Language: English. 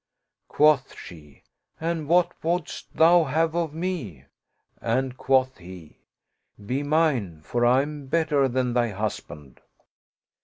Quoth she, " And what wouldst thou have of me? " and quoth he, " Be mine, for I am better than thy husband."